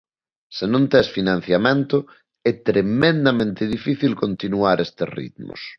Se non tes financiamento é tremendamente difícil continuar estes ritmos.